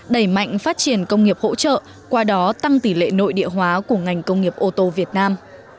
đẩy mạnh phát triển công nghiệp hỗ trợ qua đó tăng tỷ lệ nội địa hóa của ngành công nghiệp ô tô việt nam